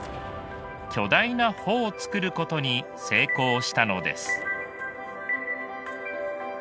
巨大な帆を作ることに成功したのです。